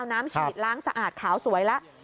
น้ำฉีดล้างสะอาดขาวสวยแล้ว